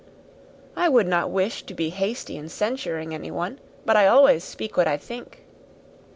"I would wish not to be hasty in censuring anyone; but I always speak what I think."